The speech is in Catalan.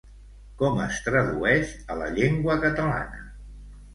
Com es tradueix a la llengua catalana?